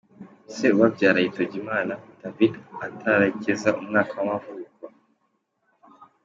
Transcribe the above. Se ubabyara yitabye Imana David atarageza umwaka w’amavuko.